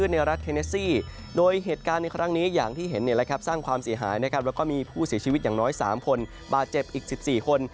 ในรัฐเทเนซี่โดยเหตุการณ์ในครั้งนี้อย่างที่เห็นสร้างความเสียหายนะครับแล้วก็มีผู้เสียชีวิตอย่างน้อย๓คนบาดเจ็บอีก๑๔คน